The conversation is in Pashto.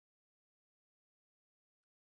ایا ستاسو سیوری به وي؟